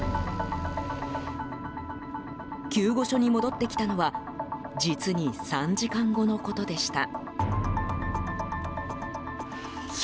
救護所に戻ってきたのは実に３時間後のことでした。